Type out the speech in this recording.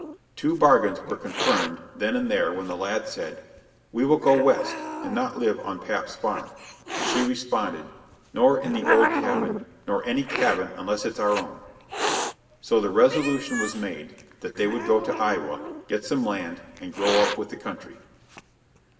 Two bargains were confirmed then and there when the lad said, "We will go West and not live on pap's farm," and she responded, "Nor in the old cabin, nor any cabin unless it's our own." So the resolution was made that they would go to Iowa, get some land, and grow up with the country.